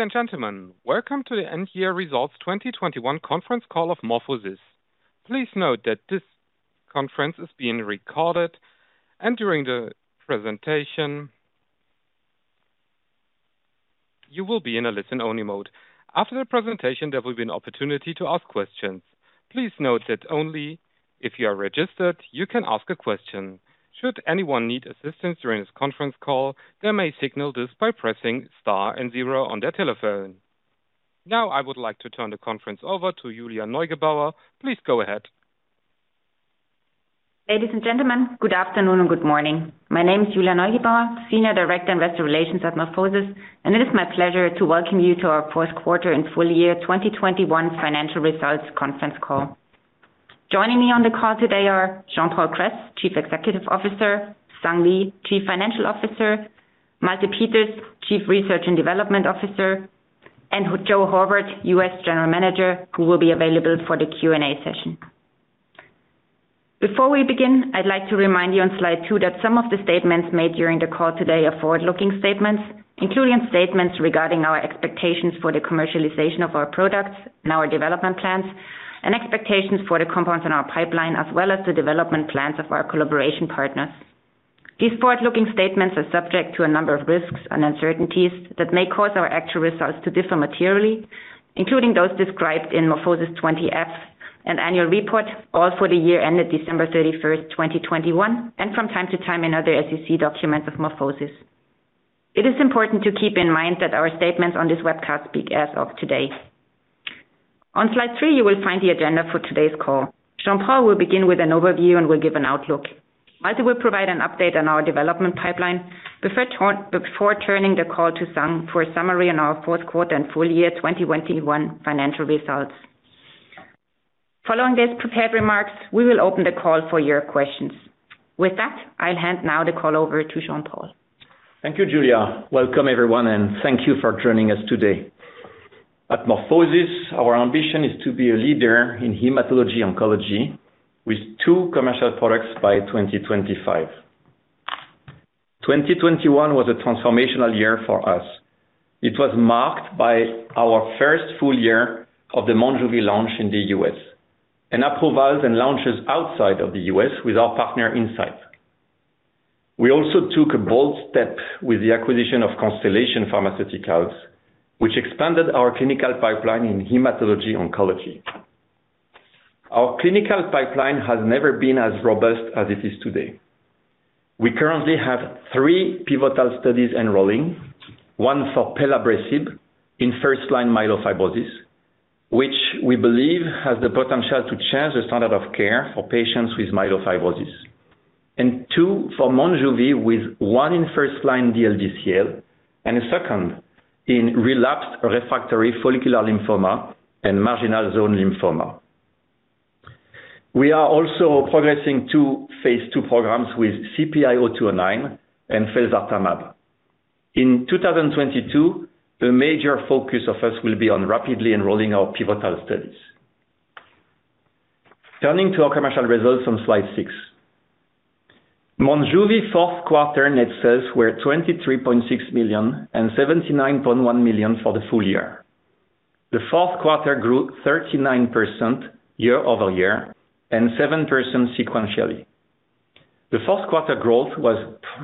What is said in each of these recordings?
Ladies and gentlemen, welcome to the year-end results 2021 conference call of MorphoSys. Please note that this conference is being recorded and during the presentation you will be in a listen-only mode. After the presentation, there will be an opportunity to ask questions. Please note that only if you are registered, you can ask a question. Should anyone need assistance during this conference call, they may signal this by pressing star and zero on their telephone. Now I would like to turn the conference over to Julia Neugebauer. Please go ahead. Ladies and gentlemen, good afternoon and good morning. My name is Julia Neugebauer, Senior Director, Investor Relations at MorphoSys, and it is my pleasure to welcome you to our Q4 and full year 2021 financial results conference call. Joining me on the call today are Jean-Paul Kress, Chief Executive Officer, Sung Lee, Chief Financial Officer, Malte Peters, Chief Research and Development Officer, and Joe Horvat, US General Manager, who will be available for the Q&A session. Before we begin, I'd like to remind you on slide two that some of the statements made during the call today are forward-looking statements, including statements regarding our expectations for the commercialization of our products and our development plans, and expectations for the compounds in our pipeline, as well as the development plans of our collaboration partners. These forward-looking statements are subject to a number of risks and uncertainties that may cause our actual results to differ materially, including those described in MorphoSys 20-F and annual report on Form 20-F for the year ended December 31, 2021, and from time to time in other SEC documents of MorphoSys. It is important to keep in mind that our statements on this webcast speak as of today. On slide three, you will find the agenda for today's call. Jean-Paul will begin with an overview and will give an outlook. Malte will provide an update on our development pipeline before turning the call to Sung for a summary on our fourth quarter and full year 2021 financial results. Following these prepared remarks, we will open the call for your questions. With that, I'll now hand the call over to Jean-Paul. Thank you, Julia. Welcome everyone, and thank you for joining us today. At MorphoSys, our ambition is to be a leader in hematology oncology with two commercial products by 2025. 2021 was a transformational year for us. It was marked by our first full year of the Monjuvi launch in the U.S., and approvals and launches outside of the U.S. with our partner, Incyte. We also took a bold step with the acquisition of Constellation Pharmaceuticals, which expanded our clinical pipeline in hematology oncology. Our clinical pipeline has never been as robust as it is today. We currently have three pivotal studies enrolling, one for pelabresib in first-line myelofibrosis, which we believe has the potential to change the standard of care for patients with myelofibrosis. Two for Monjuvi, with one in first-line DLBCL and a second in relapsed refractory follicular lymphoma and marginal zone lymphoma. We are also progressing two phase II programs with CPI-0209 and felzartamab. In 2022, the major focus of us will be on rapidly enrolling our pivotal studies. Turning to our commercial results on slide six. Monjuvi fourth quarter net sales were $23.6 million and $79.1 million for the full year. The fourth quarter grew 39% year-over-year and 7% sequentially. The fourth quarter growth was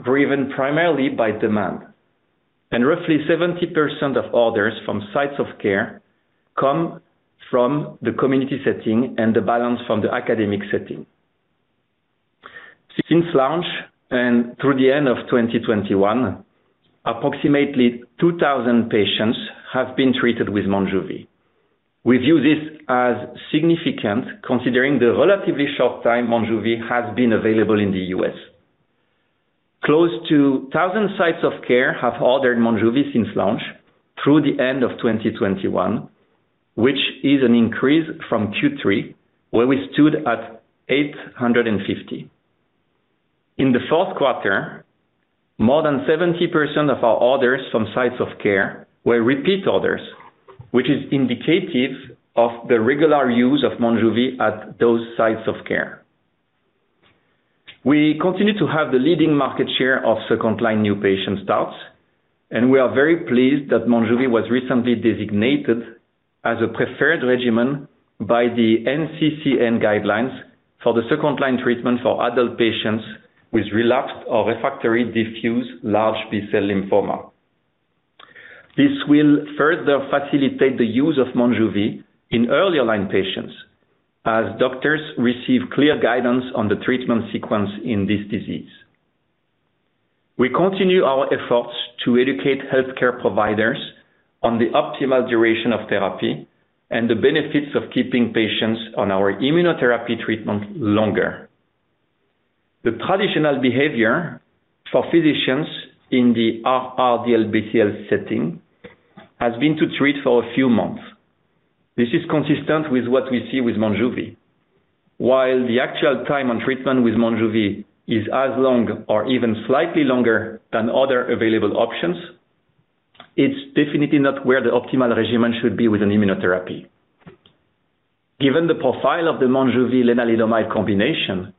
driven primarily by demand, and roughly 70% of orders from sites of care come from the community setting and the balance from the academic setting. Since launch and through the end of 2021, approximately 2,000 patients have been treated with Monjuvi. We view this as significant considering the relatively short time Monjuvi has been available in the U.S. Close to 1,000 sites of care have ordered Monjuvi since launch through the end of 2021, which is an increase from Q3, where we stood at 850. In the fourth quarter, more than 70% of our orders from sites of care were repeat orders, which is indicative of the regular use of Monjuvi at those sites of care. We continue to have the leading market share of second-line new patient starts, and we are very pleased that Monjuvi was recently designated as a preferred regimen by the NCCN guidelines for the second-line treatment for adult patients with relapsed or refractory diffuse large B-cell lymphoma. This will further facilitate the use of Monjuvi in earlier line patients as doctors receive clear guidance on the treatment sequence in this disease. We continue our efforts to educate healthcare providers on the optimal duration of therapy and the benefits of keeping patients on our immunotherapy treatment longer. The traditional behavior for physicians in the RR-DLBCL setting has been to treat for a few months. This is consistent with what we see with Monjuvi. While the actual time on treatment with Monjuvi is as long or even slightly longer than other available options, it's definitely not where the optimal regimen should be with an immunotherapy. Given the profile of the Monjuvi lenalidomide combination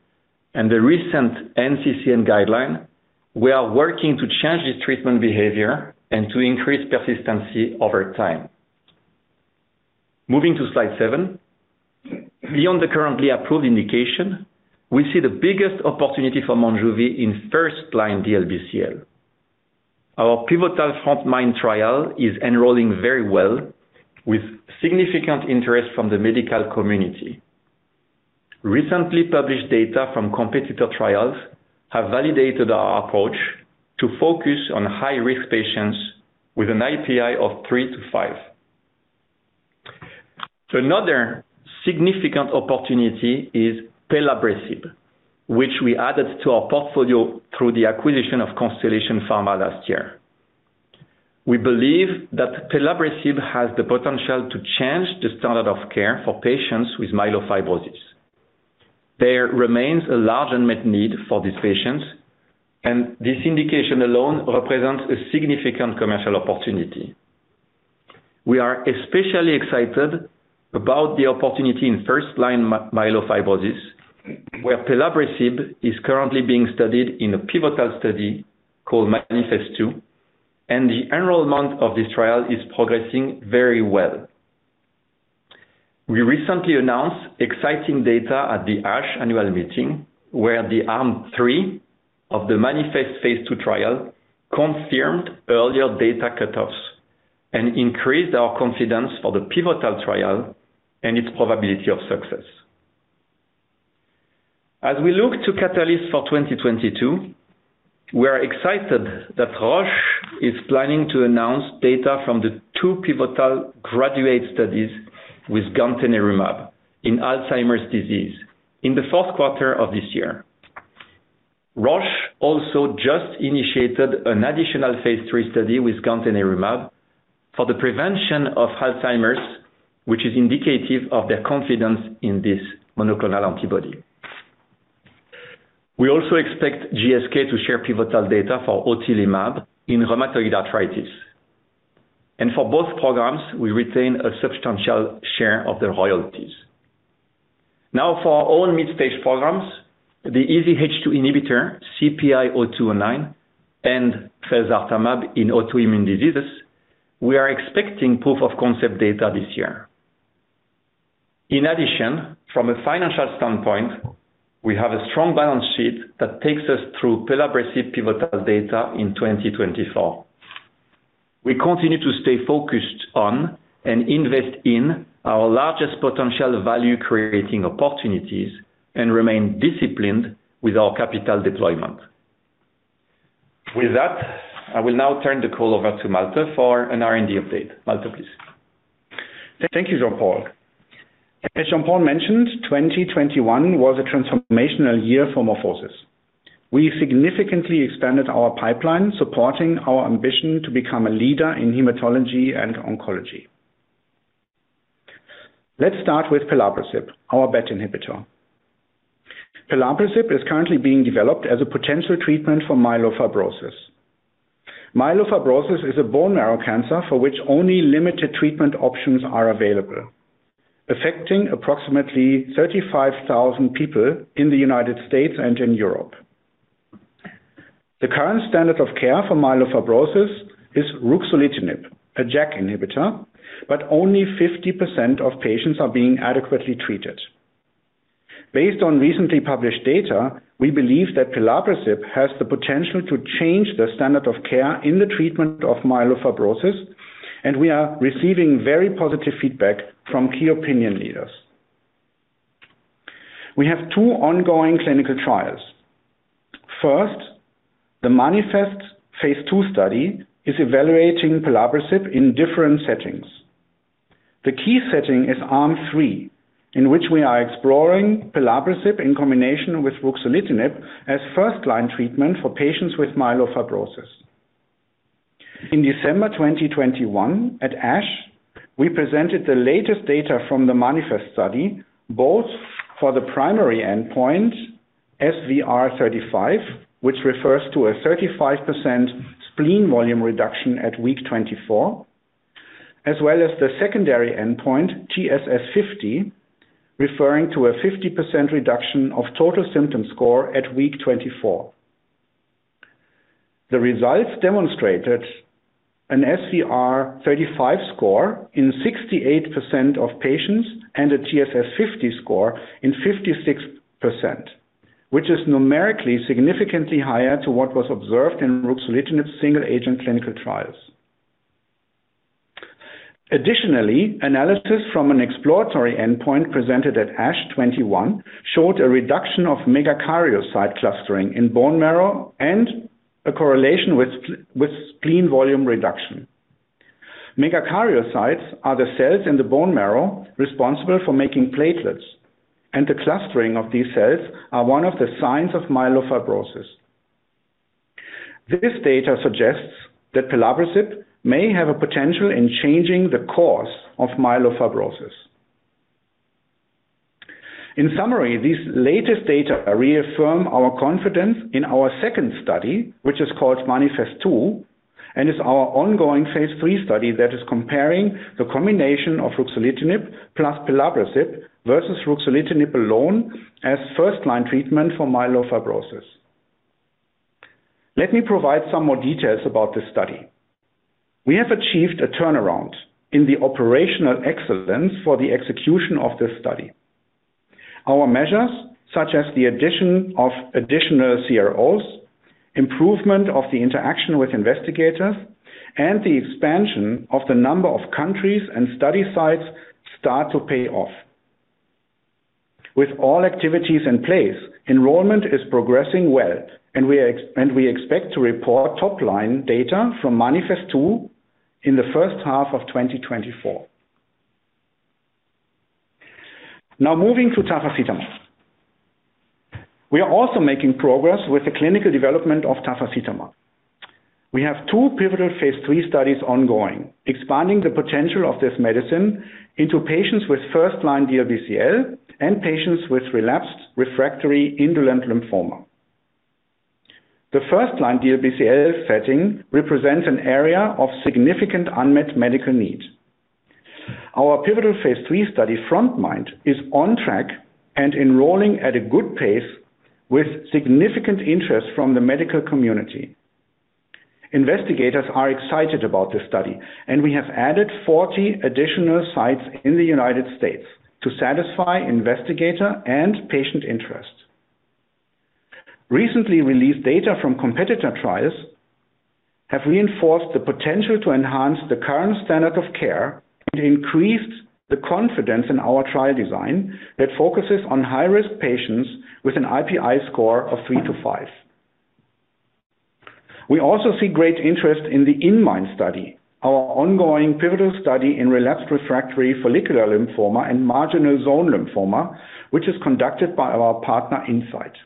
and the recent NCCN guideline, we are working to change this treatment behavior and to increase persistency over time. Moving to slide seven. Beyond the currently approved indication, we see the biggest opportunity for Monjuvi in first-line DLBCL. Our pivotal front-line trial is enrolling very well, with significant interest from the medical community. Recently published data from competitor trials have validated our approach to focus on high-risk patients with an IPI of 3-5. Another significant opportunity is Pelabresib, which we added to our portfolio through the acquisition of Constellation Pharma last year. We believe that Pelabresib has the potential to change the standard of care for patients with myelofibrosis. There remains a large unmet need for these patients, and this indication alone represents a significant commercial opportunity. We are especially excited about the opportunity in first-line myelofibrosis, where Pelabresib is currently being studied in a pivotal study called MANIFEST-2, and the enrollment of this trial is progressing very well. We recently announced exciting data at the ASH annual meeting, where the Arm 3 of the MANIFEST phase II trial confirmed earlier data cutoffs and increased our confidence for the pivotal trial and its probability of success. As we look to catalysts for 2022, we are excited that Roche is planning to announce data from the two pivotal GRADUATE studies with gantenerumab in Alzheimer's disease in the fourth quarter of this year. Roche also just initiated an additional phase III study with gantenerumab for the prevention of Alzheimer's, which is indicative of their confidence in this monoclonal antibody. We also expect GSK to share pivotal data for otilimab in rheumatoid arthritis. For both programs, we retain a substantial share of their royalties. Now for our own mid-stage programs, the EZH2 inhibitor, CPI-0209, and felzartamab in autoimmune diseases, we are expecting proof of concept data this year. In addition, from a financial standpoint, we have a strong balance sheet that takes us through Pelabresib pivotal data in 2024. We continue to stay focused on and invest in our largest potential value-creating opportunities and remain disciplined with our capital deployment. With that, I will now turn the call over to Malte for an R&D update. Malte, please. Thank you, Jean-Paul. As Jean-Paul mentioned, 2021 was a transformational year for MorphoSys. We significantly expanded our pipeline, supporting our ambition to become a leader in hematology and oncology. Let's start with pelabresib, our BET inhibitor. Pelabresib is currently being developed as a potential treatment for myelofibrosis. Myelofibrosis is a bone marrow cancer for which only limited treatment options are available, affecting approximately 35,000 people in the United States and in Europe. The current standard of care for myelofibrosis is ruxolitinib, a JAK inhibitor, but only 50% of patients are being adequately treated. Based on recently published data, we believe that Pelabresib has the potential to change the standard of care in the treatment of myelofibrosis, and we are receiving very positive feedback from key opinion leaders. We have two ongoing clinical trials. First, the MANIFEST phase II study is evaluating Pelabresib in different settings. The key setting is arm 3, in which we are exploring pelabresib in combination with ruxolitinib as first-line treatment for patients with myelofibrosis. In December 2021 at ASH, we presented the latest data from the MANIFEST study, both for the primary endpoint, SVR 35, which refers to a 35% spleen volume reduction at week 24, as well as the secondary endpoint, TSS 50, referring to a 50% reduction of total symptom score at week 24. The results demonstrated an SVR 35 score in 68% of patients and a TSS 50 score in 56%, which is numerically significantly higher than what was observed in ruxolitinib single-agent clinical trials. Additionally, analysis from an exploratory endpoint presented at ASH 2021 showed a reduction of megakaryocyte clustering in bone marrow and a correlation with spleen volume reduction. Megakaryocytes are the cells in the bone marrow responsible for making platelets, and the clustering of these cells are one of the signs of myelofibrosis. This data suggests that Pelabresib may have a potential in changing the course of myelofibrosis. In summary, this latest data reaffirm our confidence in our second study, which is called MANIFEST-2, and is our ongoing phase III study that is comparing the combination of ruxolitinib plus pelabresib versus ruxolitinib alone as first-line treatment for myelofibrosis. Let me provide some more details about this study. We have achieved a turnaround in the operational excellence for the execution of this study. Our measures, such as the addition of additional CROs, improvement of the interaction with investigators, and the expansion of the number of countries and study sites start to pay off. With all activities in place, enrollment is progressing well, and we expect to report top-line data from MANIFEST-2 in the first half of 2024. Now, moving to tafasitamab. We are also making progress with the clinical development of tafasitamab. We have two pivotal phase III studies ongoing, expanding the potential of this medicine into patients with first-line DLBCL and patients with relapsed refractory indolent lymphoma. The first-line DLBCL setting represents an area of significant unmet medical need. Our pivotal phase III study, frontMIND, is on track and enrolling at a good pace with significant interest from the medical community. Investigators are excited about this study, and we have added 40 additional sites in the United States to satisfy investigator and patient interest. Recently released data from competitor trials have reinforced the potential to enhance the current standard of care and increased the confidence in our trial design that focuses on high-risk patients with an IPI score of 3-5. We also see great interest in the inMIND study, our ongoing pivotal study in relapsed refractory follicular lymphoma and marginal zone lymphoma, which is conducted by our partner, Incyte.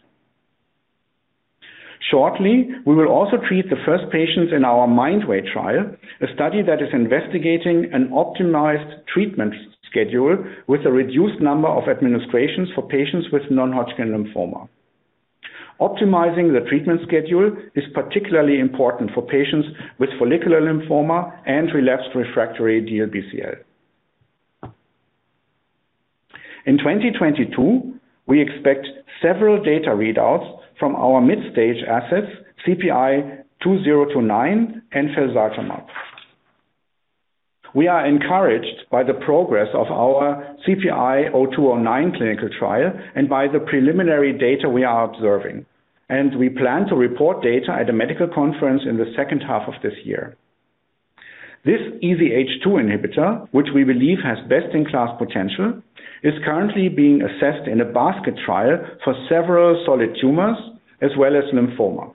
Shortly, we will also treat the first patients in our MINDway trial, a study that is investigating an optimized treatment schedule with a reduced number of administrations for patients with non-Hodgkin lymphoma. Optimizing the treatment schedule is particularly important for patients with follicular lymphoma and relapsed refractory DLBCL. In 2022, we expect several data readouts from our mid-stage assets, CPI-0209 and felzartamab. We are encouraged by the progress of our CPI-0209 clinical trial and by the preliminary data we are observing. We plan to report data at a medical conference in the second half of this year. This EZH2 inhibitor, which we believe has best-in-class potential, is currently being assessed in a basket trial for several solid tumors as well as lymphoma.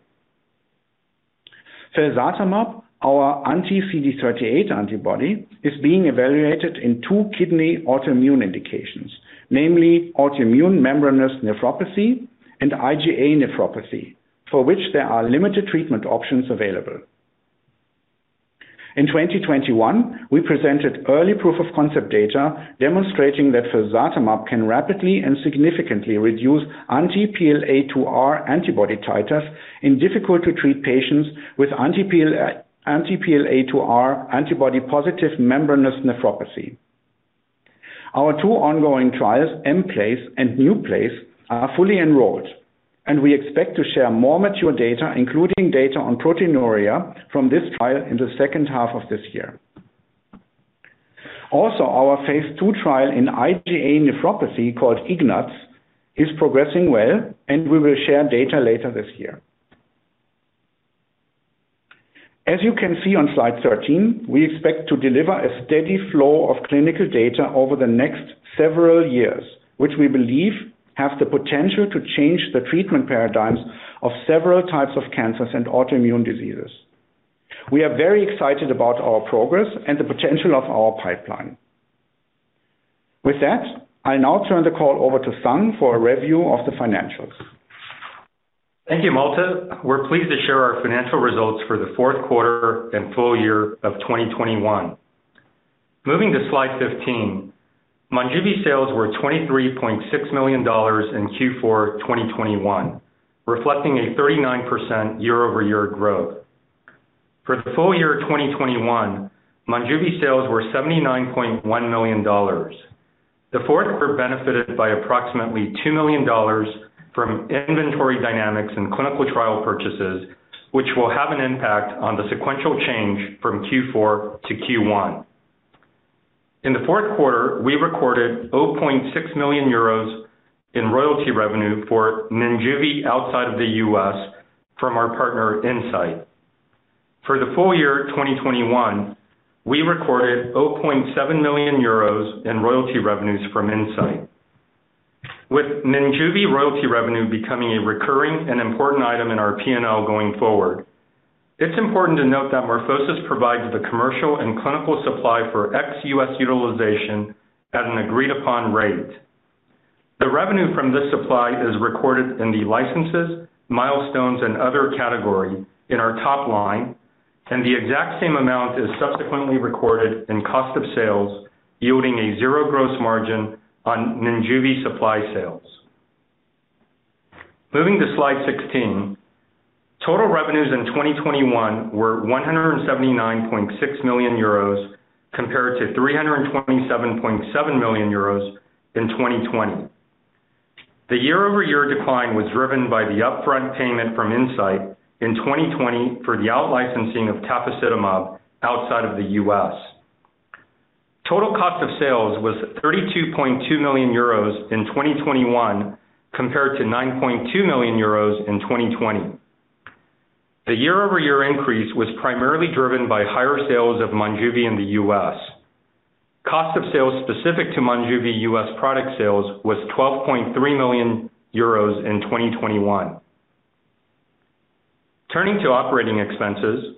Felzartamab, our anti-CD38 antibody, is being evaluated in two kidney autoimmune indications, namely autoimmune membranous nephropathy and IgA nephropathy, for which there are limited treatment options available. In 2021, we presented early proof of concept data demonstrating that felzartamab can rapidly and significantly reduce anti-PLA2R antibody titers in difficult to treat patients with anti-PLA2R antibody positive membranous nephropathy. Our two ongoing trials, EMPLACE and NEWPLACE, are fully enrolled, and we expect to share more mature data, including data on proteinuria from this trial in the second half of this year. Also, our phase II trial in IgA nephropathy called IGNAZ is progressing well, and we will share data later this year. As you can see on slide 13, we expect to deliver a steady flow of clinical data over the next several years, which we believe have the potential to change the treatment paradigms of several types of cancers and autoimmune diseases. We are very excited about our progress and the potential of our pipeline. With that, I now turn the call over to Sung for a review of the financials. Thank you, Malte. We're pleased to share our financial results for the fourth quarter and full year of 2021. Moving to slide 15, Monjuvi sales were $23.6 million in Q4 2021, reflecting a 39% year-over-year growth. For the full year 2021, Monjuvi sales were $79.1 million. The fourth quarter benefited by approximately $2 million from inventory dynamics and clinical trial purchases, which will have an impact on the sequential change from Q4-Q1. In the fourth quarter, we recorded 0.6 million euros in royalty revenue for Monjuvi outside of the U.S. from our partner, Incyte. For the full year 2021, we recorded 0.7 million euros in royalty revenues from Incyte. With Mounjaro royalty revenue becoming a recurring and important item in our P&L going forward, it's important to note that MorphoSys provides the commercial and clinical supply for ex-U.S. utilization at an agreed upon rate. The revenue from this supply is recorded in the licenses, milestones, and other category in our top line. The exact same amount is subsequently recorded in cost of sales, yielding a zero gross margin on Monjuvi supply sales. Moving to slide 16. Total revenues in 2021 were 179.6 million euros compared to 327.7 million euros in 2020. The year-over-year decline was driven by the upfront payment from Incyte in 2020 for the out-licensing of tafasitamab outside of the U.S. Total cost of sales was 32.2 million euros in 2021 compared to 9.2 million euros in 2020. The year-over-year increase was primarily driven by higher sales of Monjuvi in the U.S. Cost of sales specific to Monjuvi U.S. product sales was 12.3 million euros in 2021. Turning to operating expenses.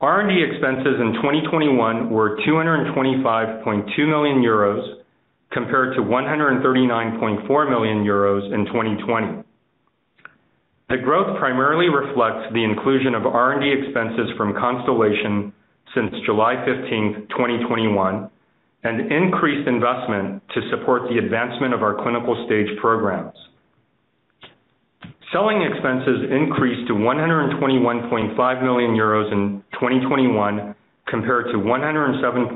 R&D expenses in 2021 were 225.2 million euros compared to 139.4 million euros in 2020. The growth primarily reflects the inclusion of R&D expenses from Constellation since July 15, 2021 and increased investment to support the advancement of our clinical-stage programs. Selling expenses increased to 121.5 million euros in 2021 compared to 107.7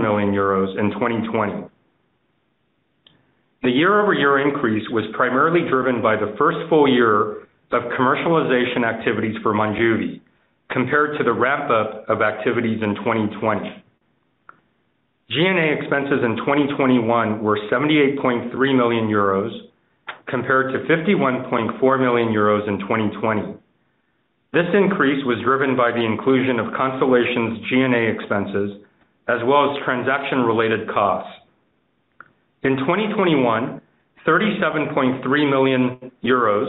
million euros in 2020. The year-over-year increase was primarily driven by the first full year of commercialization activities for Monjuvi compared to the wrap-up of activities in 2020. G&A expenses in 2021 were 78.3 million euros compared to 51.4 million euros in 2020. This increase was driven by the inclusion of Constellation's G&A expenses as well as transaction-related costs. In 2021, 37.3 million euros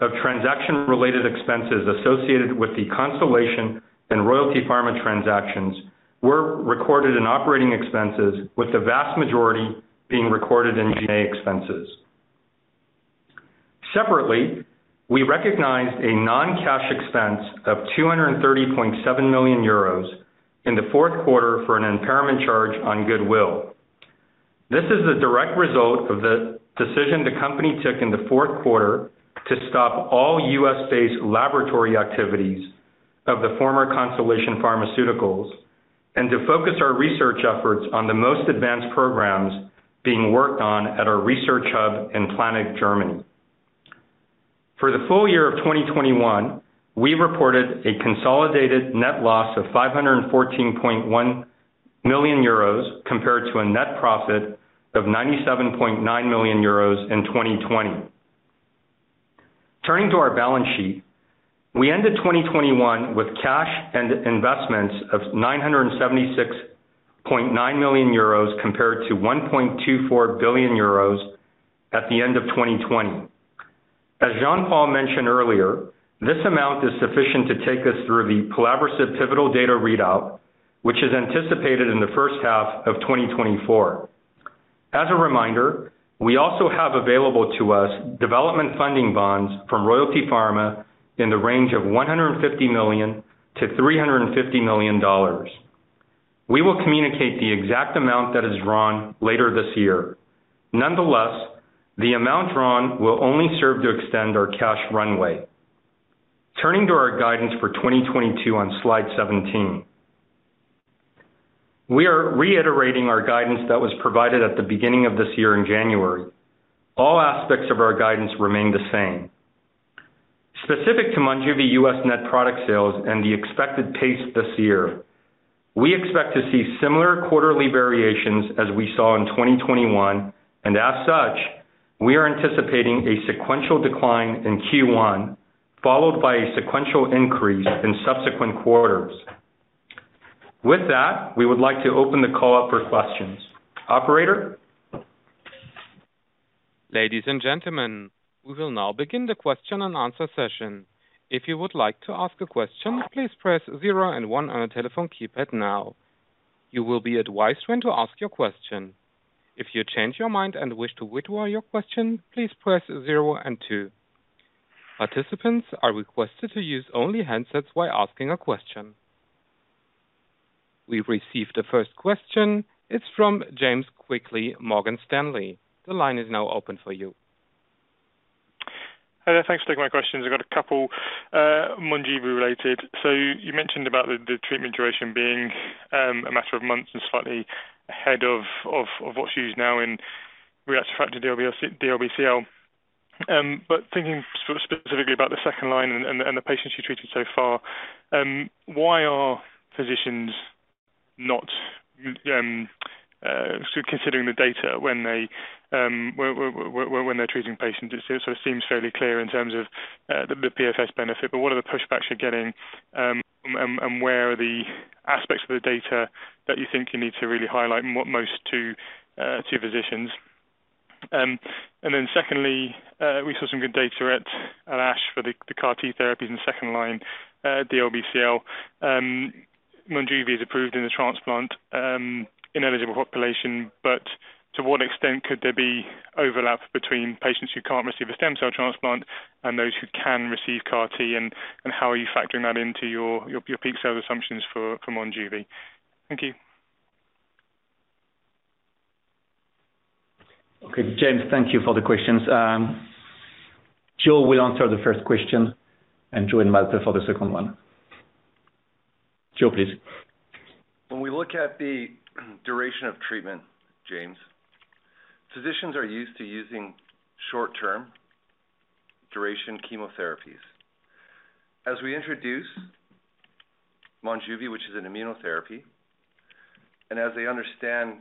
of transaction-related expenses associated with the Constellation and Royalty Pharma transactions were recorded in operating expenses, with the vast majority being recorded in G&A expenses. Separately, we recognized a non-cash expense of 230.7 million euros in the fourth quarter for an impairment charge on goodwill. This is a direct result of the decision the company took in the fourth quarter to stop all US-based laboratory activities of the former Constellation Pharmaceuticals and to focus our research efforts on the most advanced programs being worked on at our research hub in Planegg, Germany. For the full year of 2021, we reported a consolidated net loss of 514.1 million euros compared to a net profit of 97.9 million euros in 2020. Turning to our balance sheet. We ended 2021 with cash and investments of 976.9 million euros compared to 1.24 billion euros at the end of 2020. As Jean-Paul mentioned earlier, this amount is sufficient to take us through the palovarotene pivotal data readout, which is anticipated in the first half of 2024. As a reminder, we also have available to us development funding bonds from Royalty Pharma in the range of $150 million-$350 million. We will communicate the exact amount that is drawn later this year. Nonetheless, the amount drawn will only serve to extend our cash runway. Turning to our guidance for 2022 on slide 17. We are reiterating our guidance that was provided at the beginning of this year in January. All aspects of our guidance remain the same. Specific to Monjuvi U.S. net product sales and the expected pace this year, we expect to see similar quarterly variations as we saw in 2021. As such, we are anticipating a sequential decline in Q1, followed by a sequential increase in subsequent quarters. With that, we would like to open the call up for questions. Operator? Ladies and gentlemen, we will now begin the question and answer session. We've received the first question. It's from James Quigley, Morgan Stanley. The line is now open for you. Hi there. Thanks for taking my questions. I've got a couple, Monjuvi related. You mentioned about the treatment duration being a matter of months and slightly ahead of what's used now in relapsed/refractory DLBCL. Thinking sort of specifically about the second line and the patients you treated so far, why are physicians not considering the data when they're treating patients? It sort of seems fairly clear in terms of the PFS benefit, but what are the pushbacks you're getting? Where are the aspects of the data that you think you need to really highlight and what most to physicians? Secondly, we saw some good data at ASH for the CAR T therapy in the second line, DLBCL. Monjuvi is approved in the transplant ineligible population, but to what extent could there be overlap between patients who can't receive a stem cell transplant and those who can receive CAR T, and how are you factoring that into your peak sales assumptions for Monjuvi? Thank you. Okay, James, thank you for the questions. Joe will answer the first question and join Malte for the second one. Joe, please. When we look at the duration of treatment, James, physicians are used to using short-term duration chemotherapies. As we introduce Monjuvi, which is an immunotherapy, and as they understand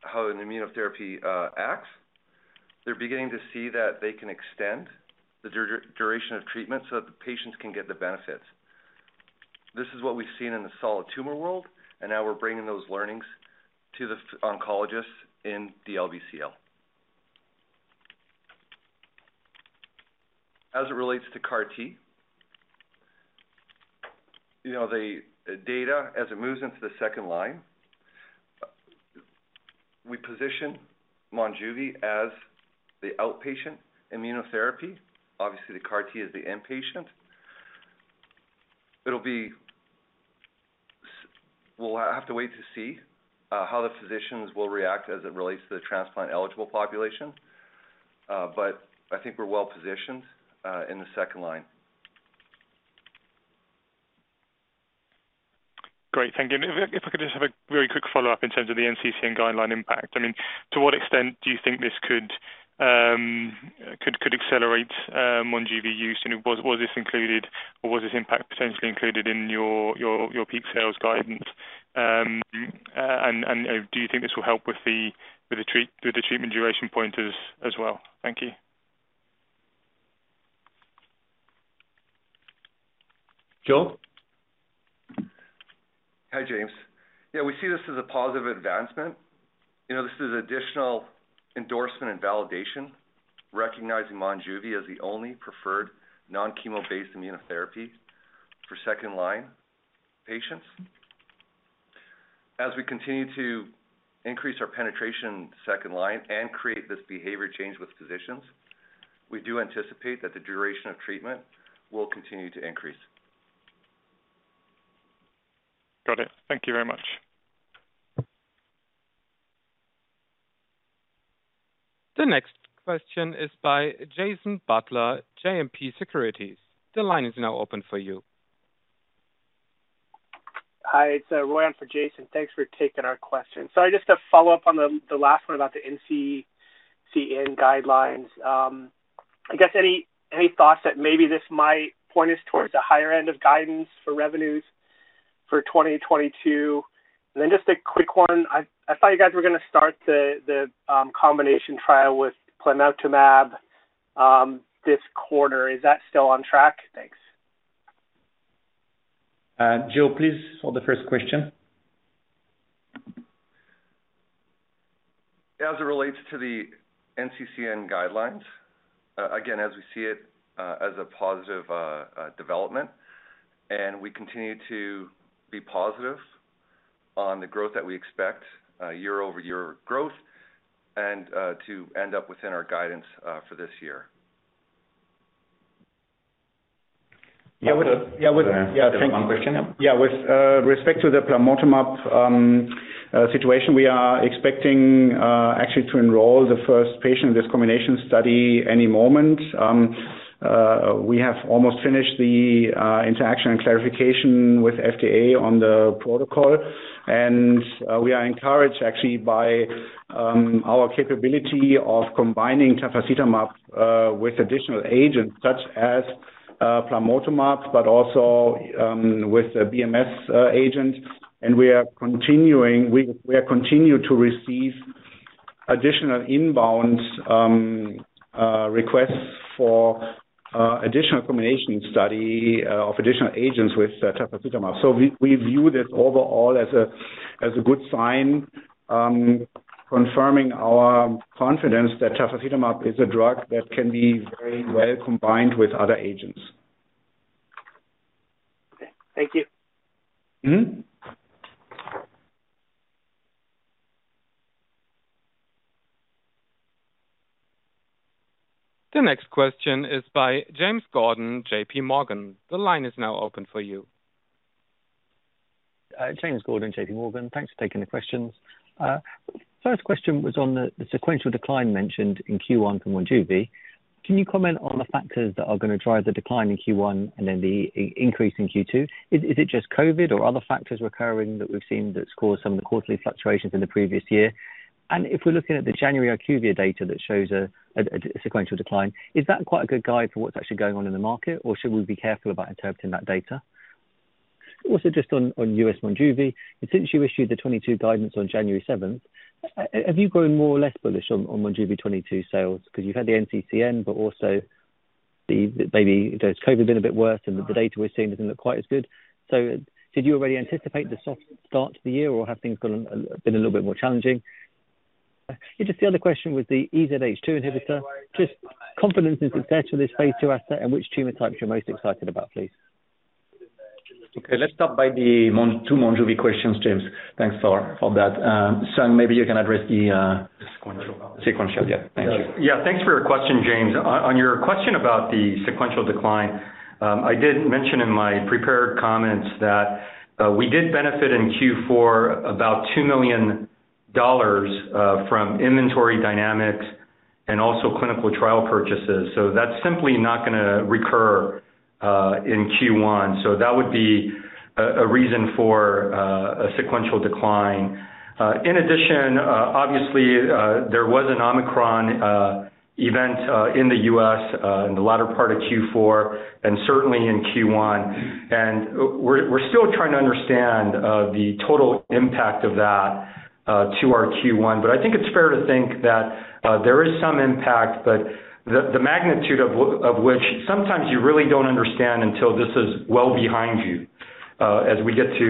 how an immunotherapy acts, they're beginning to see that they can extend the duration of treatment so that the patients can get the benefits. This is what we've seen in the solid tumor world, and now we're bringing those learnings to the oncologists in DLBCL. As it relates to CAR T, you know, the data as it moves into the second line, we position Monjuvi as the outpatient immunotherapy. Obviously, the CAR T is the inpatient. We'll have to wait to see how the physicians will react as it relates to the transplant-eligible population, but I think we're well-positioned in the second line. Great, thank you. If I could just have a very quick follow-up in terms of the NCCN guideline impact. I mean, to what extent do you think this could accelerate Monjuvi use? Was this included or was this impact potentially included in your peak sales guidance? Do you think this will help with the treatment duration, payors as well? Thank you. Joe. Hi, James. Yeah, we see this as a positive advancement. You know, this is additional endorsement and validation, recognizing Monjuvi as the only preferred non-chemo-based immunotherapy for second-line patients. As we continue to increase our penetration second line and create this behavior change with physicians, we do anticipate that the duration of treatment will continue to increase. Got it. Thank you very much. The next question is by Jason Butler, JMP Securities. The line is now open for you. Hi, it's Roy on for Jason. Thanks for taking our question. Sorry, just to follow up on the last one about the NCCN guidelines. I guess any thoughts that maybe this might point us towards a higher end of guidance for revenues for 2022? Just a quick one. I saw you guys were gonna start the combination trial with Plamotamab this quarter. Is that still on track? Thanks. Joe, please, for the first question. As it relates to the NCCN guidelines, again, as we see it, a positive development, and we continue to be positive on the growth that we expect year-over-year and to end up within our guidance for this year. Yeah, with One question. Yeah. With respect to the Plamotamab situation, we are expecting actually to enroll the first patient in this combination study any moment. We have almost finished the interaction and clarification with FDA on the protocol, and we are encouraged actually by our capability of combining tafasitamab with additional agents such as Plamotamab, but also with a BMS agent. We are continuing to receive additional inbound requests for additional combination study of additional agents with tafasitamab. We view this overall as a good sign confirming our confidence that tafasitamab is a drug that can be very well combined with other agents. Okay. Thank you. Mm-hmm. The next question is by James Gordon, JPMorgan. The line is now open for you. James Gordon, JPMorgan. Thanks for taking the questions. First question was on the sequential decline mentioned in Q1 for Monjuvi. Can you comment on the factors that are gonna drive the decline in Q1 and then the increase in Q2? Is it just COVID or other factors recurring that we've seen that's caused some of the quarterly fluctuations in the previous year? If we're looking at the January IQVIA data that shows a sequential decline, is that quite a good guide for what's actually going on in the market, or should we be careful about interpreting that data? Also, just on US Monjuvi, since you issued the 2022 guidance on January 7, have you grown more or less bullish on Monjuvi 2022 sales? 'Cause you've had the NCCN, but also maybe, you know, COVID's been a bit worse and the data we're seeing doesn't look quite as good. Did you already anticipate the soft start to the year, or have things gone, been a little bit more challenging? Yeah, just the other question with the EZH2 inhibitor, just confidence in success for this phase II asset and which tumor types you're most excited about, please. Okay, let's start with the two Monjuvi questions, James. Thanks for that. Sung, maybe you can address the Sequential. Sequential, yeah. Thank you. Yeah. Thanks for your question, James. On your question about the sequential decline, I did mention in my prepared comments that we did benefit in Q4 about $2 million from inventory dynamics and also clinical trial purchases. So that's simply not gonna recur in Q1. So that would be a reason for a sequential decline. In addition, obviously, there was an Omicron event in the U.S. in the latter part of Q4 and certainly in Q1. And we're still trying to understand the total impact of that to our Q1. But I think it's fair to think that there is some impact, but the magnitude of which sometimes you really don't understand until this is well behind you. As we get to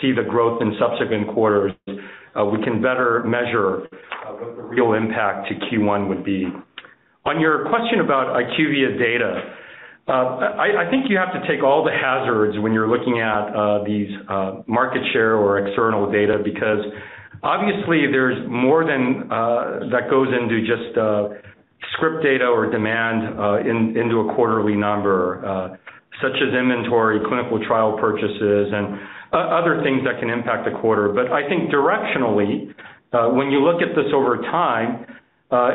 see the growth in subsequent quarters, we can better measure what the real impact to Q1 would be. On your question about IQVIA data, I think you have to take all the hazards when you're looking at these market share or external data, because obviously there's more than that goes into just script data or demand into a quarterly number, such as inventory, clinical trial purchases, and other things that can impact the quarter. I think directionally, when you look at this over time,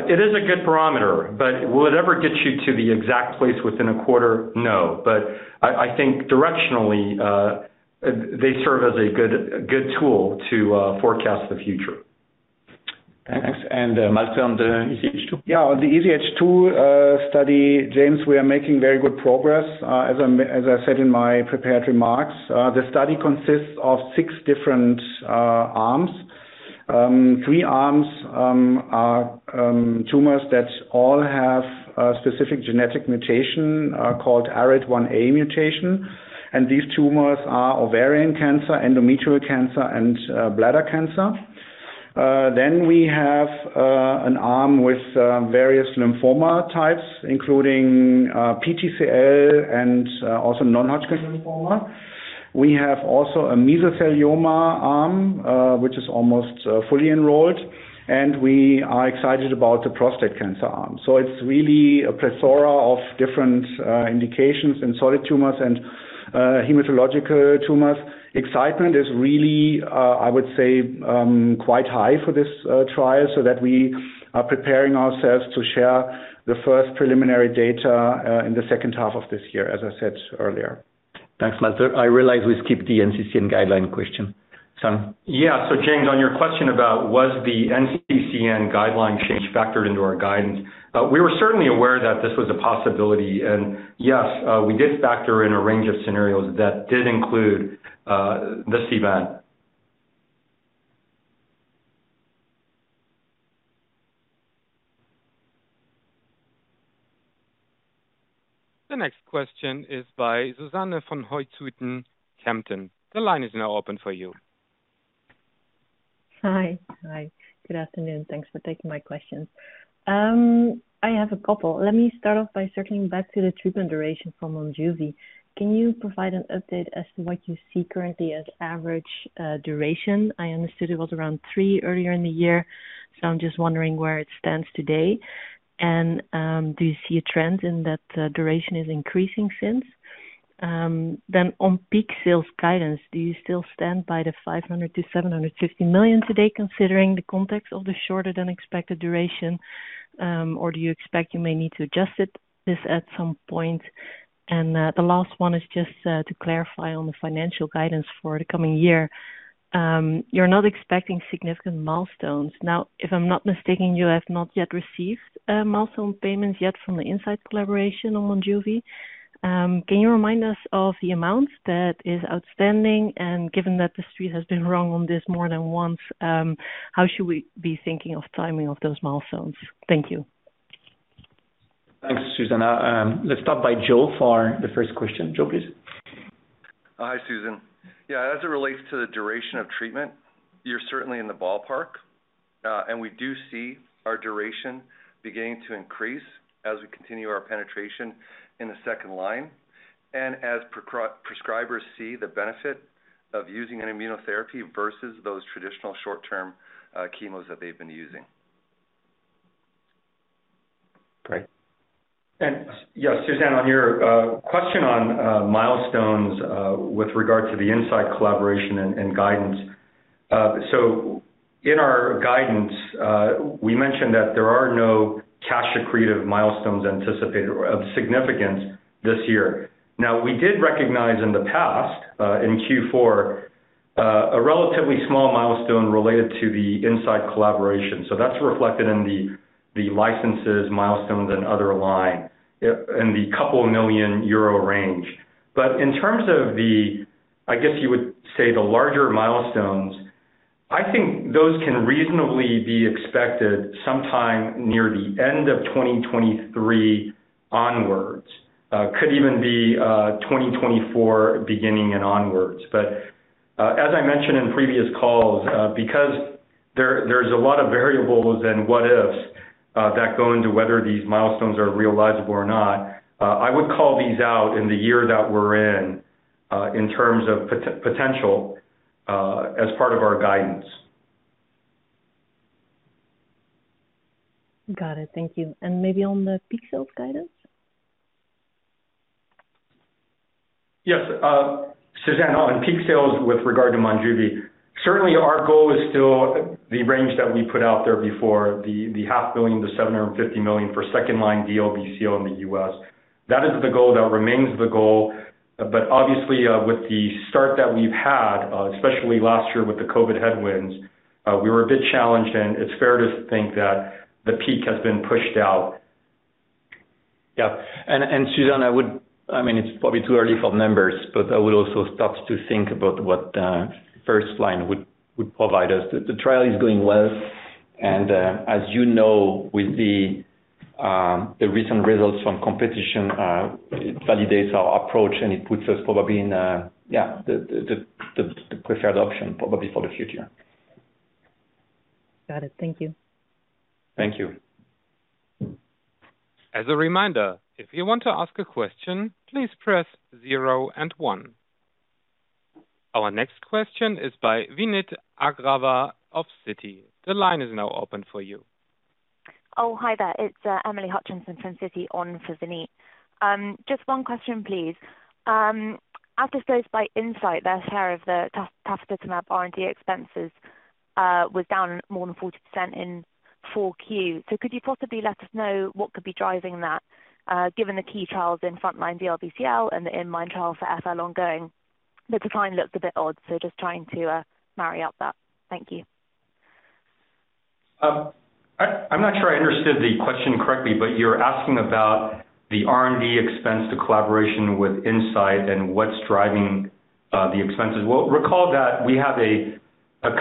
it is a good barometer, but will it ever get you to the exact place within a quarter? No. I think directionally, they serve as a good tool to forecast the future. Thanks. Malte on the EZH2. On the EZH2 study, James, we are making very good progress. As I said in my prepared remarks, the study consists of six different arms. Three arms are tumors that all have a specific genetic mutation called ARID1A mutation, and these tumors are ovarian cancer, endometrial cancer, and bladder cancer. We have an arm with various lymphoma types, including PTCL and also non-Hodgkin lymphoma. We have also a mesothelioma arm, which is almost fully enrolled, and we are excited about the prostate cancer arm. It's really a plethora of different indications in solid tumors and hematological tumors. Excitement is really, I would say, quite high for this trial, so that we are preparing ourselves to share the first preliminary data in the second half of this year, as I said earlier. Thanks, Malte. I realize we skipped the NCCN guideline question. Sung. Yeah, James, on your question about was the NCCN guideline change factored into our guidance, we were certainly aware that this was a possibility. Yes, we did factor in a range of scenarios that did include this event. The next question is by Suzanne van Voorthuizen. The line is now open for you. Hi. Good afternoon. Thanks for taking my questions. I have a couple. Let me start off by circling back to the treatment duration for Monjuvi. Can you provide an update as to what you see currently as average duration? I understood it was around three earlier in the year, so I'm just wondering where it stands today. Do you see a trend in that duration is increasing since? Then on peak sales guidance, do you still stand by the $500 million-$750 million today considering the context of the shorter-than-expected duration, or do you expect you may need to adjust it, this at some point? The last one is just to clarify on the financial guidance for the coming year. You're not expecting significant milestones. Now, if I'm not mistaken, you have not yet received milestone payments yet from the Incyte collaboration on Monjuvi. Can you remind us of the amount that is outstanding? Given that the Street has been wrong on this more than once, how should we be thinking of timing of those milestones? Thank you. Thanks, Susanne. Let's start by Joe for the first question. Joe, please. Hi, Susanne. Yeah, as it relates to the duration of treatment, you're certainly in the ballpark. We do see our duration beginning to increase as we continue our penetration in the second line and as prescribers see the benefit of using an immunotherapy versus those traditional short-term chemos that they've been using. Great. Yeah, Suzanne, on your question on milestones with regard to the Incyte collaboration and guidance. So in our guidance, we mentioned that there are no cash accretive milestones anticipated of significance this year. Now, we did recognize in the past, in Q4, a relatively small milestone related to the Incyte collaboration. So that's reflected in the licenses, milestones, and other line, in the 1 million euro range. But in terms of the, I guess you would say the larger milestones, I think those can reasonably be expected sometime near the end of 2023 onwards. Could even be 2024 beginning and onwards. But as I mentioned in previous calls, because there's a lot of variables and what-ifs that go into whether these milestones are realizable or not. I would call these out in the year that we're in terms of potential, as part of our guidance. Got it. Thank you. Maybe on the peak sales guidance. Yes. Suzanne, on peak sales with regard to Monjuvi. Certainly our goal is still the range that we put out there before the $500 million-$750 million for second line DLBCL in the U.S. That is the goal, that remains the goal. Obviously, with the start that we've had, especially last year with the COVID headwinds, we were a bit challenged, and it's fair to think that the peak has been pushed out. Yeah, Suzanne, I would. I mean, it's probably too early for metrics, but I will also start to think about what the first line would provide us. The trial is going well, and as you know, with the recent results from competition, it validates our approach and it puts us probably in the preferred option probably for the future. Got it. Thank you. Thank you. As a reminder, if you want to ask a question, please press zero and one. Our next question is by Vineet Agarwal of Citi. The line is now open for you. Oh, hi there. It's Emily Hutchinson from Citi on for Vinit. Just one question please. As disclosed by Incyte, their share of the tafasitamab R&D expenses was down more than 40% in Q4. Could you possibly let us know what could be driving that, given the key trials in frontMIND DLBCL and the inMIND trial for FL ongoing? The decline looks a bit odd, so just trying to marry up that. Thank you. I'm not sure I understood the question correctly, but you're asking about the R&D expense, the collaboration with Incyte and what's driving the expenses. Well, recall that we have a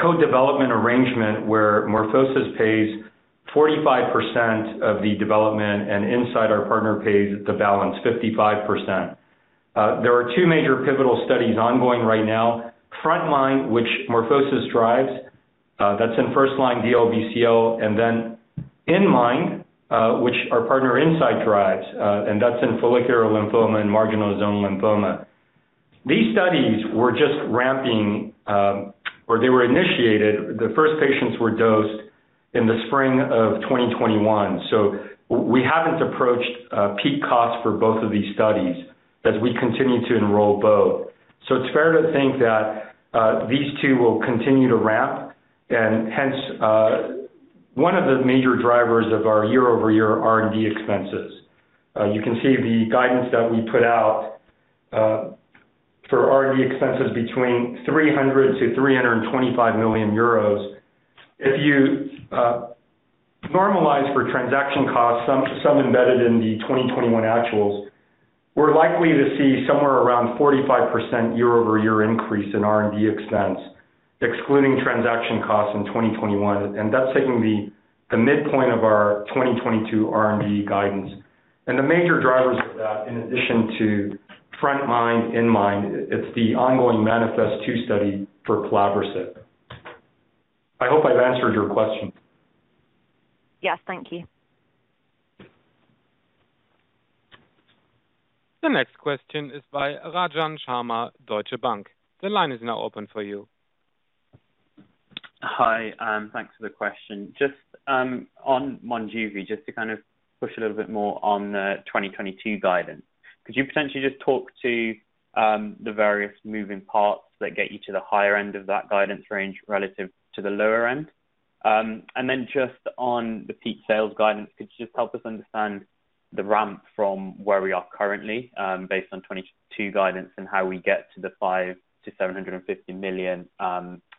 co-development arrangement where MorphoSys pays 45% of the development and Incyte, our partner, pays the balance, 55%. There are two major pivotal studies ongoing right now. frontMIND, which MorphoSys drives, that's in first-line DLBCL, and then inMIND, which our partner Incyte drives, and that's in follicular lymphoma and marginal zone lymphoma. These studies were just ramping, or they were initiated. The first patients were dosed in the spring of 2021. We haven't approached peak costs for both of these studies as we continue to enroll both. It's fair to think that these two will continue to ramp and hence one of the major drivers of our year-over-year R&D expenses. You can see the guidance that we put out for R&D expenses between 300 million-325 million euros. If you normalize for transaction costs, some embedded in the 2021 actuals, we're likely to see somewhere around 45% year-over-year increase in R&D expense, excluding transaction costs in 2021, and that's taking the midpoint of our 2022 R&D guidance. The major drivers of that, in addition to frontMIND, it's the ongoing MANIFEST-2 study for pelabresib. I hope I've answered your question. Yes. Thank you. The next question is by Rajan Sharma, Deutsche Bank. The line is now open for you. Hi, thanks for the question. Just on Monjuvi, just to kind of push a little bit more on the 2022 guidance. Could you potentially just talk to the various moving parts that get you to the higher end of that guidance range relative to the lower end? And then just on the peak sales guidance, could you just help us understand the ramp from where we are currently, based on 2022 guidance and how we get to the $500 million-$750 million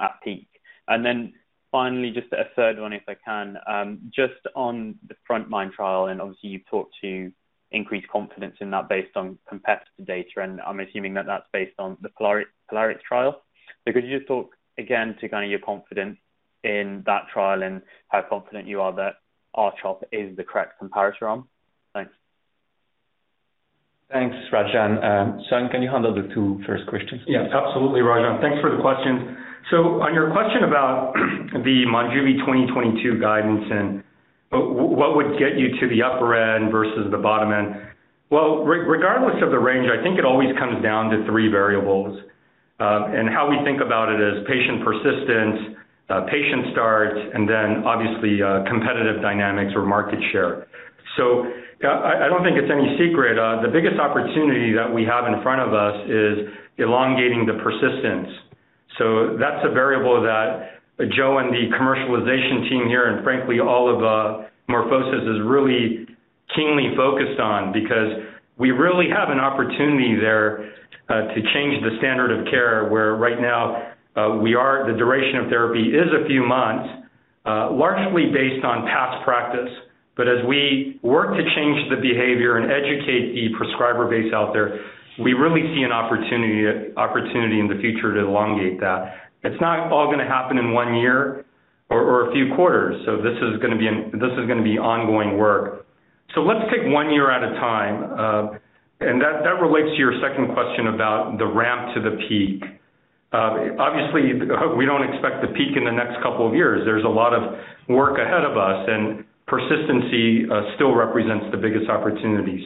at peak? And then finally, just a third one, if I can, just on the frontMIND trial, and obviously you've talked to increased confidence in that based on competitor data, and I'm assuming that that's based on the POLARIX trial? Could you just talk again to kind of your confidence in that trial and how confident you are that R-CHOP is the correct comparison arm? Thanks. Thanks, Rajan. Sung, can you handle the two first questions? Yes, absolutely, Rajan. Thanks for the questions. On your question about the Monjuvi 2022 guidance and what would get you to the upper end versus the bottom end. Well, regardless of the range, I think it always comes down to three variables, and how we think about it is patient persistence, patient starts, and then obviously, competitive dynamics or market share. I don't think it's any secret. The biggest opportunity that we have in front of us is elongating the persistence. That's a variable that Joe and the commercialization team here, and frankly, all of MorphoSys is really keenly focused on because we really have an opportunity there to change the standard of care, where right now, the duration of therapy is a few months, largely based on past practice. As we work to change the behavior and educate the prescriber base out there, we really see an opportunity in the future to elongate that. It's not all gonna happen in one year or a few quarters. This is gonna be ongoing work. Let's take one year at a time. That relates to your second question about the ramp to the peak. Obviously, we don't expect to peak in the next couple of years. There's a lot of work ahead of us, and persistency still represents the biggest opportunity.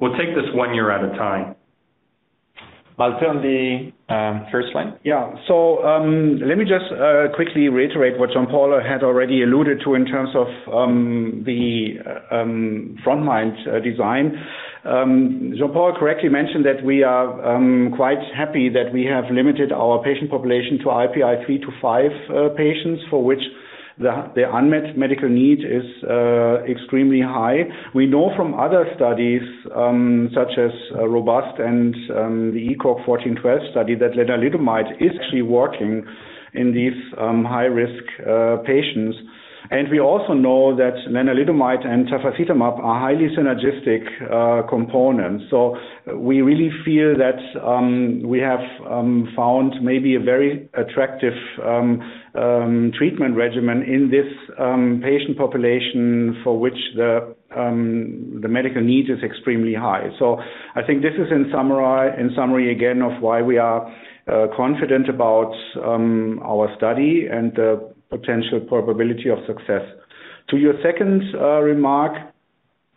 We'll take this one year at a time. Malte on the first one. Yeah. Let me just quickly reiterate what Jean-Paul Kress had already alluded to in terms of the frontline design. Jean-Paul Kress correctly mentioned that we are quite happy that we have limited our patient population to IPI 3-5 patients, for which the unmet medical need is extremely high. We know from other studies, such as ROBUST and the ECOG-ACRIN E1412 study that lenalidomide is actually working in these high-risk patients. We also know that lenalidomide and tafasitamab are highly synergistic components. We really feel that we have found maybe a very attractive treatment regimen in this patient population for which the medical need is extremely high. I think this is in summary, again, of why we are confident about our study and the potential probability of success. To your second remark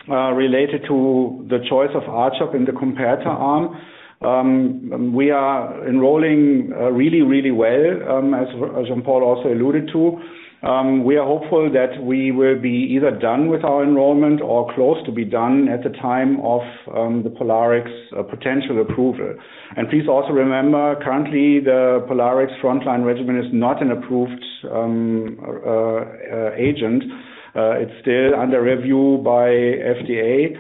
related to the choice of R-CHOP in the comparator arm, we are enrolling really well, as Jean-Paul Kress also alluded to. We are hopeful that we will be either done with our enrollment or close to be done at the time of the POLARIX potential approval. Please also remember, currently the POLARIX frontline regimen is not an approved agent. It's still under review by FDA.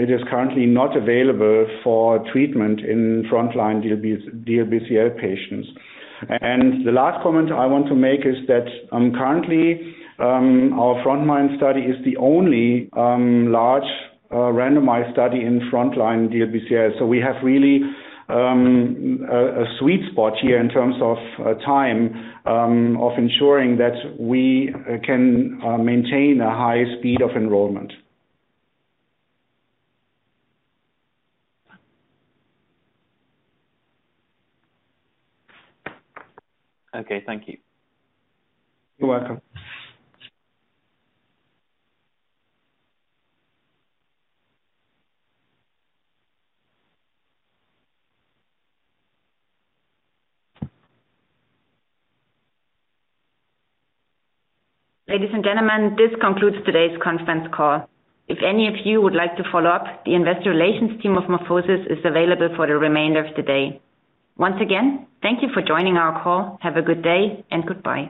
It is currently not available for treatment in frontline DLBCL patients. The last comment I want to make is that currently our frontline study is the only large randomized study in frontline DLBCL. We have really a sweet spot here in terms of time of ensuring that we can maintain a high speed of enrollment. Okay. Thank you. You're welcome. Ladies and gentlemen, this concludes today's conference call. If any of you would like to follow up, the investor relations team of MorphoSys is available for the remainder of the day. Once again, thank you for joining our call. Have a good day and goodbye.